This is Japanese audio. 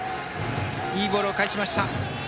いいボールを返しました。